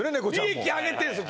利益上げてんです